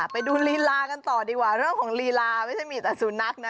ไปดูลีลากันต่อดีกว่าเรื่องของลีลาไม่ใช่มีแต่สุนัขนะ